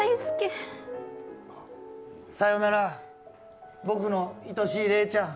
さよなら、僕のいとしいレイちゃん。